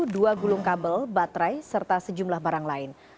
dua gulung kabel baterai serta sejumlah barang lain